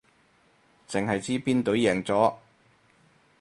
淨係知邊隊贏咗